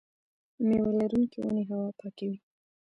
میوه لرونکې ونې هوا پاکوي.